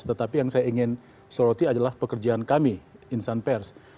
tetapi yang saya ingin soroti adalah pekerjaan kami insan pers